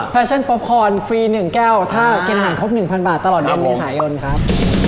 แฟชั่นป๊อปคอร์นฟรีหนึ่งแก้วถ้ากินอาหารครบหนึ่งพันบาทตลอดเดือนมีสายนครับ